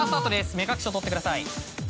目隠しを取ってください。